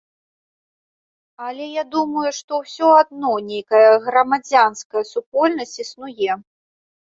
Але я думаю, што ўсё адно нейкая грамадзянская супольнасць існуе.